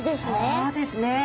そうですね！